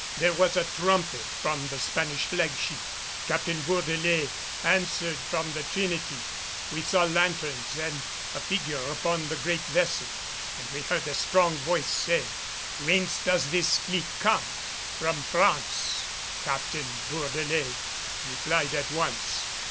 There was a trumpet from the Spanish flagship. Captain Bourdelais answered from the Trinity. We saw lanthorns and a figure upon the great vessel and we heard a strong voice say: "'Whence does this fleet come?' "'From France,' Captain Bourdelais replied at once.